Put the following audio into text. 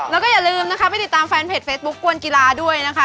แล้วก็อย่าลืมนะคะไปติดตามแฟนเพจเฟซบุ๊คกวนกีฬาด้วยนะคะ